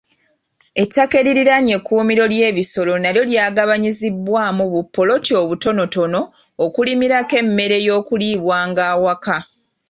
Ettaka eririraanye ekkuumiro ly'ebisolo nalyo lyagabanyizibwamu bu poloti obutono okulimirako emmere ey'okulibwanga awaka